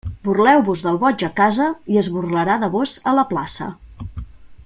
Burleu-vos del boig a casa, i es burlarà de vós a la plaça.